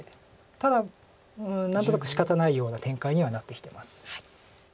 ただ何となくしかたないような展開にはなってきてます。